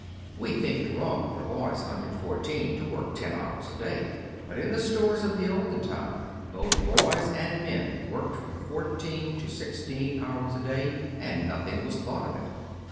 We think it wrong for boys under fourteen to work ten hours a day. But in the stores of the olden time, both boys and men worked from fourteen to sixteen hours a day, and nothing was thought of it.